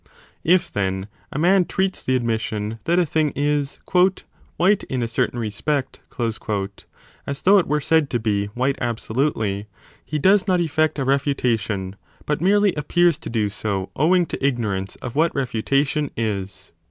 If, then, a man treats the admission that a thing is white in a certain respect as though it were 15 said to be white absolutely, he does not effect a refutation, but merely appears to do so owing to ignorance of what refutation is.